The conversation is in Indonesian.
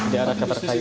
di arah keterkaitan